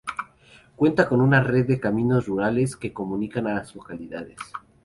Cuenta con una red de caminos rurales que comunican las localidades.